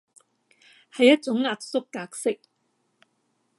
係一種壓縮格式